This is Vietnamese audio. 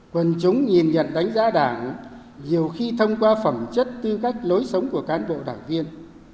quần chúng nhìn nhận đánh giá đảng nhiều khi thông qua phẩm chất tư cách lối sống của cán bộ đảng viên